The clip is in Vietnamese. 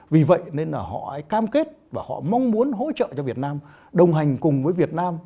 vì vậy nên là họ cam kết và họ mong muốn hỗ trợ cho việt nam đồng hành cùng với việt nam